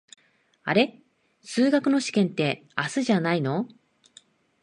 あれ、数学の試験って明日じゃないの？